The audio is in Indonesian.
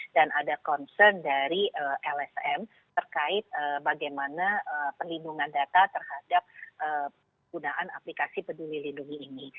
dan ada concern dari lsm terkait bagaimana perlindungan data terhadap penggunaan aplikasi peduli lindungi ini